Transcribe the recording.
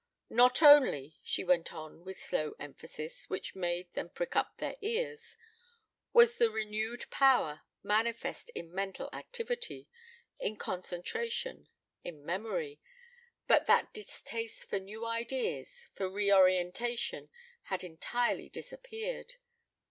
"Not only," she went on with a slow emphasis, which made them prick up their ears, "was the renewed power manifest in mental activity, in concentration, in memory, but that distaste for new ideas, for reorientation, had entirely disappeared.